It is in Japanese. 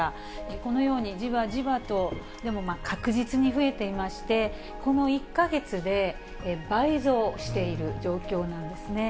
このようにじわじわと、でも確実に増えていまして、この１か月で倍増している状況なんですね。